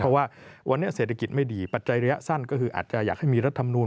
เพราะว่าวันนี้เศรษฐกิจไม่ดีปัจจัยระยะสั้นก็คืออาจจะอยากให้มีรัฐมนูล